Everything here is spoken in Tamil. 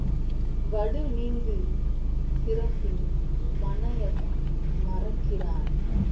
வடுநீங்கு சிறப்பின் மனையகம் மறக்கிறான்.